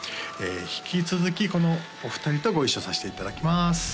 引き続きこのお二人とご一緒させていただきます